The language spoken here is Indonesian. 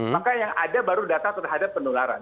maka yang ada baru data terhadap penularan